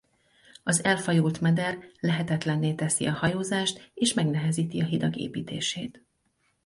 Az elfajult meder lehetetlenné teszi a hajózást és megnehezíti a hidak építését.